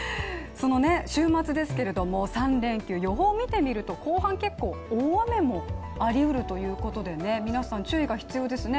その週末ですけれども３連休、予報見てみると後半、結構大雨もありうるということで、皆さん、注意が必要ですね。